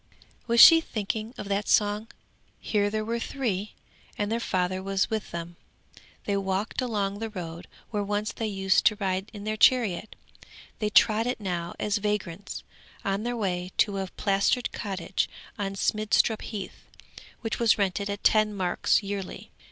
Was she thinking of that song? Here there were three and their father was with them. They walked along the road where once they used to ride in their chariot. They trod it now as vagrants, on their way to a plastered cottage on Smidstrup Heath, which was rented at ten marks yearly.